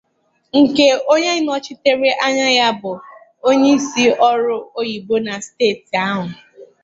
nke onye nọchitere anya ya bụ onyeisi ọrụ oyibo na steeti ahụ